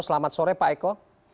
selamat sore pak eko